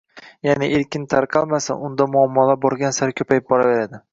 yaʼni erkin tarqalmasa, unda mummolar borgan sayin ko‘payib boraveradi